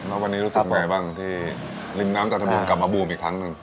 แล้ววันนี้รู้สึกไงบ้างที่ริมน้ำจันทบุญกลับมาบูมอีกครั้งหนึ่ง